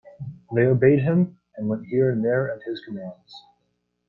They obeyed him, and went here and there at his commands.